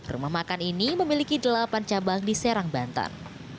rumah makan ini memiliki delapan cabang di serang banten